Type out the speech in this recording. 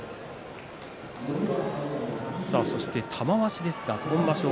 そして、玉鷲ですが今場所